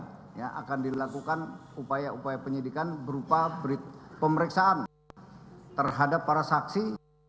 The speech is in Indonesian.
karena akan dilakukan upaya upaya penyidikan berupa pemeriksaan terhadap para saksi